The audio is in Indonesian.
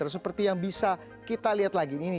seperti yang bisa kita lihat lagi